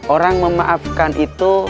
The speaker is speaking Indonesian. orang memaafkan itu